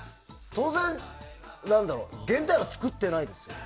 当然、現在は作ってないですよね。